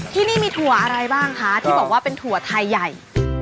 ที่นี่มีถั่วอะไรบ้างคะที่บอกว่าเป็นถั่วไทยใหญ่